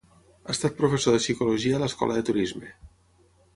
Ha estat professor de psicologia a l'Escola de Turisme.